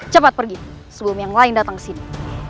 cepat pergi sebelum yang lain datang ke sini